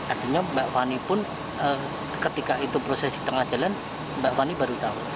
artinya mbak fani pun ketika itu proses di tengah jalan mbak fani baru tahu